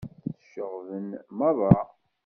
Tceɣɣben merra.